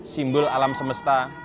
simbol alam semesta